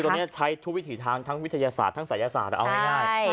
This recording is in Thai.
ตรงนี้ใช้ทุกวิถีทางทั้งวิทยาศาสตร์ทั้งศัยศาสตร์เอาง่าย